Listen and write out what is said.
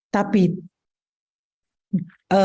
tapi gen dopamin tidak hanya untuk perilaku seks